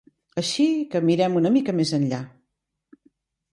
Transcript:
Així que mirem una mica més enllà.